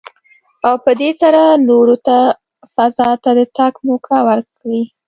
او په دې سره نورو ته فضا ته د تګ موکه ورکړي.